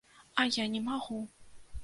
А я не магу.